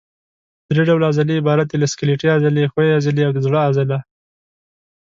درې ډوله عضلې عبارت دي له سکلیټي عضلې، ښویې عضلې او د زړه عضله.